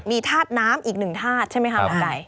มีธาตุน้ำอีกหนึ่งธาตุใช่ไหมคะหมอไก่